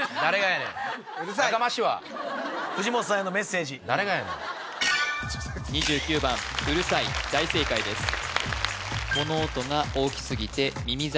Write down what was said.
やかましわ藤本さんへのメッセージ誰がやねん２９番うるさい大正解です